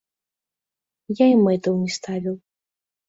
Я і мэтаў не ставіў.